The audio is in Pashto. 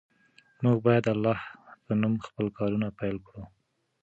موږ باید د الله په نوم خپل کارونه پیل کړو.